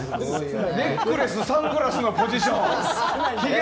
ネックレスサングラスのポジション。